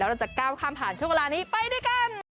เราจะก้าวข้ามผ่านช่วงเวลานี้ไปด้วยกัน